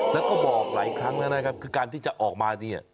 แล้วก็บอกหลายครั้งแล้วนะครับคือการที่จะออกมาเนี่ย